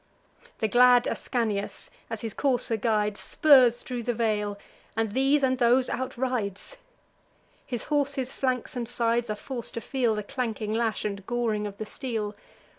The glad Ascanius, as his courser guides, Spurs thro' the vale, and these and those outrides. His horse's flanks and sides are forc'd to feel The clanking lash, and goring of the steel.